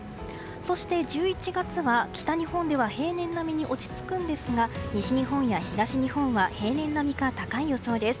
そして、１１月は北日本では平年並みに落ち着くんですが西日本や東日本は平年並みか高い予想です。